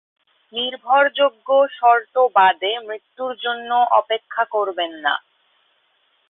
নির্ভরযোগ্য শর্ত বাদে মৃত্যুর জন্য অপেক্ষা করবেন না।